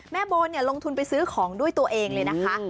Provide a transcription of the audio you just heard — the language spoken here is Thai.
โบลงทุนไปซื้อของด้วยตัวเองเลยนะคะ